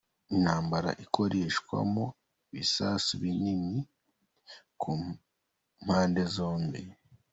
Intambara irakoreshwamo ibisasu binini ku mpande zombi.